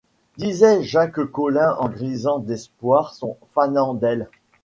disait Jacques Collin en grisant d’espoir son fanandel.